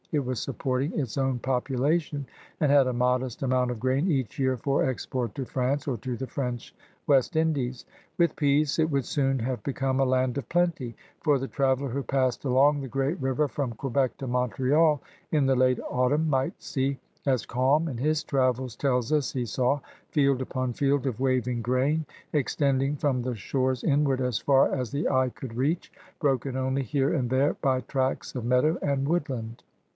It was supporting its own population, and had a modest amount of grain each year for export to France or to the French West Indies. With peace it would soon have become a land of plenty, for the traveler who passed along the great river from Quebec to Montreal in the late autumn might see, as Kalm in his Traivds tells us he saw, field upon field of waving grain extending from the shores inward as far as the eye could reach, broken only here and there by tracts of meadow and woodland.